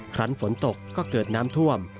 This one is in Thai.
ครั้งฝนตกก็เกิดน้ำท่วม